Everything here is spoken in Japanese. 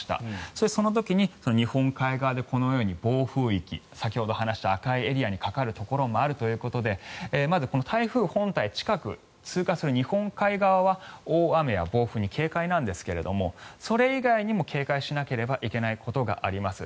そして、その時に日本海側で暴風域先ほど話した赤いエリアにかかるところもあるということでまずこの台風本体近く通過する日本海側は大雨や暴風に警戒なんですがそれ以外にも警戒しなければいけないことがあります。